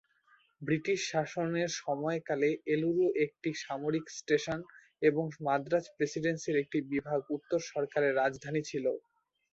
British শাসনের সময়কালে এলুরু একটি সামরিক স্টেশন এবং মাদ্রাজ প্রেসিডেন্সির একটি বিভাগ উত্তর সরকারের রাজধানী ছিল।